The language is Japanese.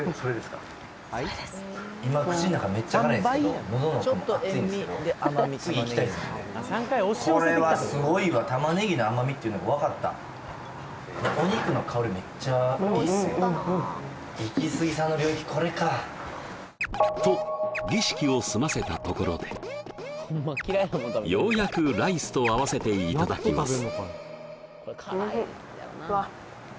やったと儀式を済ませたところでようやくライスと合わせていただきます